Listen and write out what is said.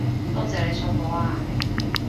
多謝你送我啊